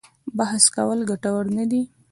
بحث کول ګټور نه دي.